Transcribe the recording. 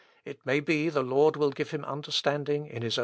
It may be the Lord will give him understanding in his own time."